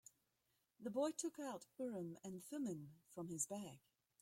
The boy took out Urim and Thummim from his bag.